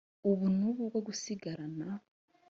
ubu n ubu bwo gusigarana